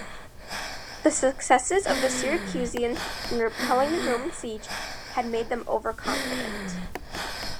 The successes of the Syracusians in repelling the Roman siege had made them overconfident.